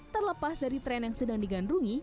terlepas dari tren yang sedang digandrungi